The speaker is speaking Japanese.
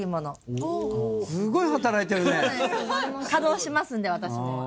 稼働しますんで私も。